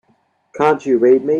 Can't you read me?